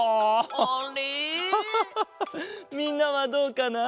みんなはどうかな？